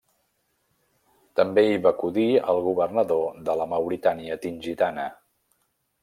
També hi va acudir el governador de la Mauritània Tingitana.